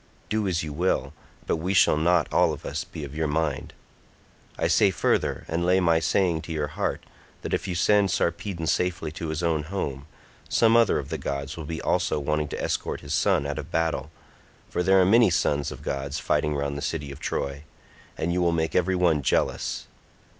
Do as you will, but we shall not all of us be of your mind. I say further, and lay my saying to your heart, that if you send Sarpedon safely to his own home, some other of the gods will be also wanting to escort his son out of battle, for there are many sons of gods fighting round the city of Troy, and you will make every one jealous.